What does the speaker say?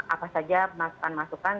apa saja masukan masukan